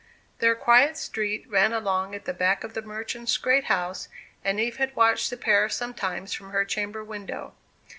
Their quiet street ran along at the back of the merchant's great house, and Eve had watched the pair sometimes from her chamber window.